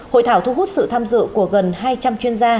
hội thảo thu hút sự tham dự của gần hai trăm linh chuyên gia